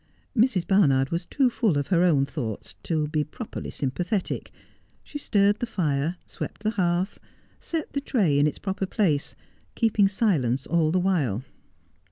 Mrs. Barnard was too full of her own thoughts to be pro perly sympathetic. She stirred the fire, swept the hearth, set the tray in its proper place, keeping silence all the while.